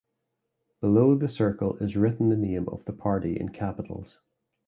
Below the circle is written the name of the party in capitals.